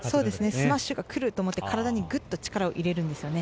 スマッシュが来ると思って体に力を入れるんですね。